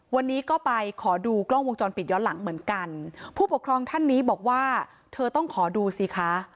วันนี้ก็ไปขอดูกล้องวงจรปิดย้อนหลังเหมือนกันผู้ปกครองท่านนี้บอกว่าเธอต้องขอดูสิคะ